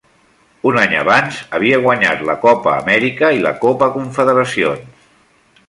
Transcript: Un any abans, havia guanyat la Copa Amèrica i la Copa Confederacions.